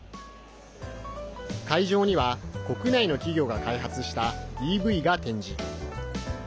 会場には国内の企業が開発したＥＶが展示。